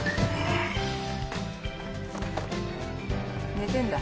寝てんだ。